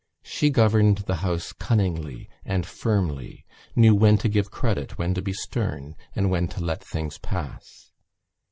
She governed her house cunningly and firmly, knew when to give credit, when to be stern and when to let things pass.